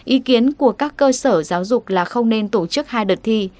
ý kiến của các cơ sở giáo dục là không nên tổ chức hai đợt thi